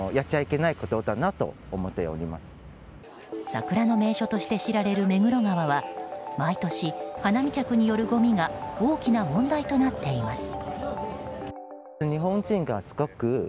桜の名所として知られる目黒川は毎年、花見客によるごみが大きな問題となっています。